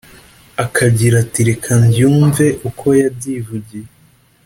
Akagira ati reka mbyumve uko yabyivugiye